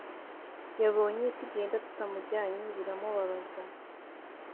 Yabonye tugenda tutamujyanye biramubabaza